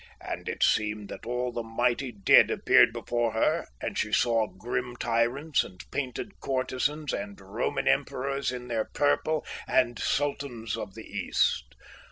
And it seemed that all the mighty dead appeared before her; and she saw grim tyrants, and painted courtesans, and Roman emperors in their purple, and sultans of the East.